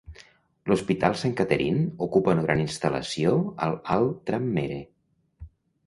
L'hospital Saint Catherine ocupa una gran instal·lació al Alt Tranmere.